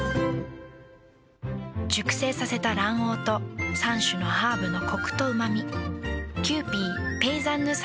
熟成させた卵黄と３種のハーブのコクとうま味。